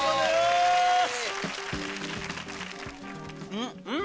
うん！